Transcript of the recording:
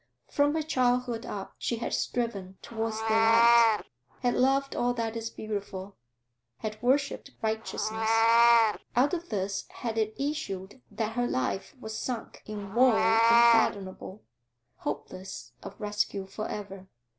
From her childhood up she had striven towards the light, had loved all that is beautiful, had worshipped righteousness; out of this had it issued that her life was sunk in woe unfathomable, hopeless of rescue for ever.